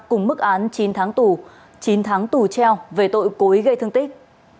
cùng mức án chín tháng tù chín tháng tù treo về tội cố ý gây thương tích